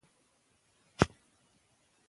هغه د خپلو ځواکونو سره د کندهار پر لور روان شو.